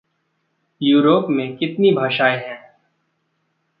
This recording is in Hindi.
युरोप में कितनी भाषाएँ हैं?